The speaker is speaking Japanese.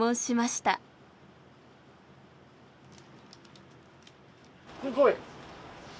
すごい！